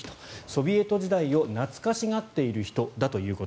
ソビエト時代を懐かしがっている人だと。